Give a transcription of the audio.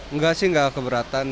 enggak sih enggak keberatan